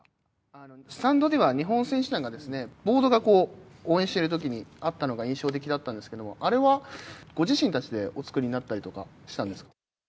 スタンドでは、日本選手団が、ボードがこう、応援してるときにあったのが印象的だったんですけども、あれはご自身たちでお作りになったりとかしたんですか？